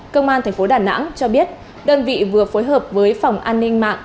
công an tp đà nẵng cho biết đơn vị vừa phối hợp với phòng an ninh mạng